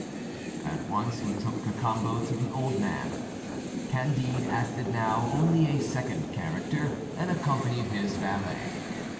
At once he took Cacambo to the old man. Candide acted now only a second character, and accompanied his valet.